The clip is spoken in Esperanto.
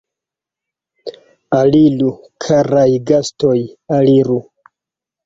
Aliru, karaj gastoj, aliru!